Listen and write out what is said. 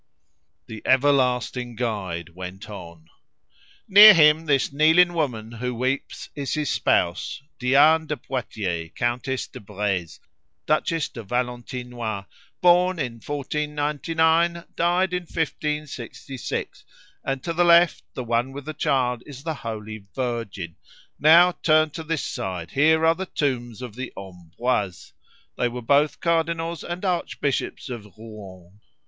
The everlasting guide went on "Near him, this kneeling woman who weeps is his spouse, Diane de Poitiers, Countess de Breze, Duchess de Valentinois, born in 1499, died in 1566, and to the left, the one with the child is the Holy Virgin. Now turn to this side; here are the tombs of the Ambroise. They were both cardinals and archbishops of Rouen.